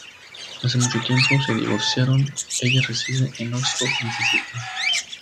Hace mucho tiempo se divorciaron, ella reside en Oxford, Mississippi.